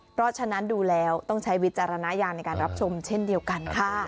เพราะฉะนั้นดูแล้วต้องใช้วิจารณญาณในการรับชมเช่นเดียวกันค่ะ